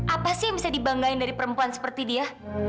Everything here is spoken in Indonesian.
apa sih yang bisa dibanggain dari perempuan seperti dia